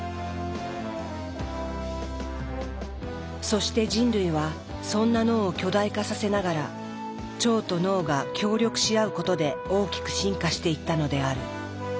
そして人類はそんな脳を巨大化させながら腸と脳が協力し合うことで大きく進化していったのである。